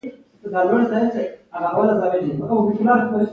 مسلمانان ترې څه نه اخلي خو دوی بیا هم موسکېږي.